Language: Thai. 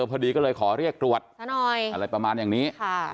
พอดีก็เลยขอเรียกตรวจอะไรประมาณอย่างนี้